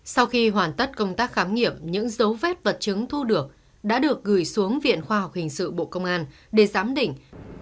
sau khi hoàn tất công tác khám nghiệm những dấu vết vật chứng thu được đã được gửi xuống viện khoa học hình sự bộ công an để giám định